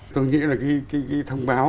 tôi nghĩ là cái thông báo